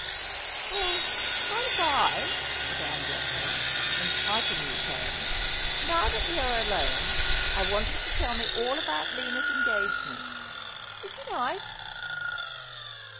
' Oh, by the bye,' began Daphne, in quite a new tone, ' now that we are alone, I want you to tell me all about Lina's en gagement. Is he nice